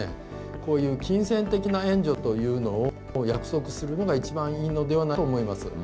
こういう金銭的な援助というのを約束するのが一番いいのではないかと思います。